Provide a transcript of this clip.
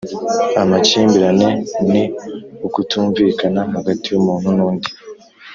Amakimbirane ni ukutumvikana hagati y’umuntu n’undi